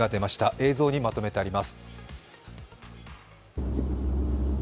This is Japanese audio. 映像にまとめてあります。